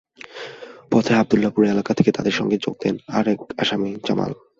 পথে আবদুল্লাহপুর এলাকা থেকে তাঁদের সঙ্গে যোগ দেন আরেক আসামি জামাল।